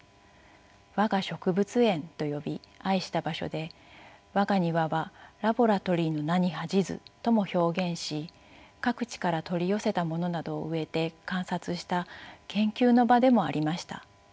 「我が植物園」と呼び愛した場所で「我が庭はラボラトリーの名に恥じず」とも表現し各地から取り寄せたものなどを植えて観察した研究の場でもありました。